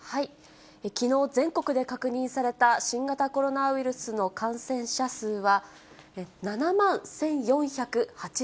きのう、全国で確認された新型コロナウイルスの感染者数は、７万１４８８人。